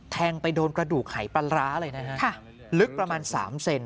แทงไปโดนกระดูกหายปลาร้าเลยนะฮะลึกประมาณ๓เซน